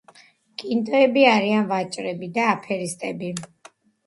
კინტოები არიან ვაჭრები და აფერისტები